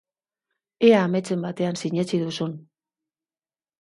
Ea ametsen batean sinetsi duzun.